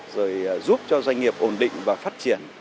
rồi giúp cho doanh nghiệp ổn định và phát triển